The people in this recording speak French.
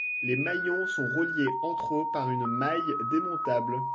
Les maillons sont reliés entre eux par une maille démontable.